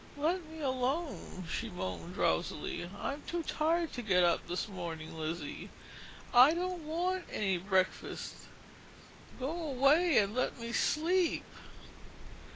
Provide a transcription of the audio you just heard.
"Let me alone," she moaned drowsily, "I'm too tired to get up this morning, Lizzie. I don't want any breakfast—go away and let me sleep!"